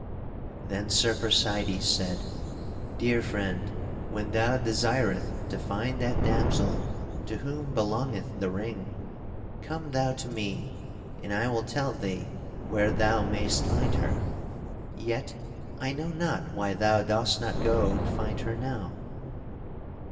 Then Sir Percydes said: "Dear friend, when thou desireth to find that damosel to whom belongeth the ring, come thou to me and I will tell thee where thou mayst find her; yet I know not why thou dost not go and find her now."